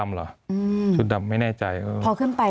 มีความรู้สึกว่ามีความรู้สึกว่า